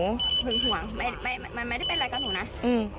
หึงหวงมันไม่ได้เป็นไรกับหนูนะ